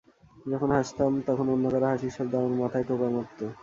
যখন হাসতাম তখন অন্য কারও হাসির শব্দ আমার মাথায় টোকা মারত।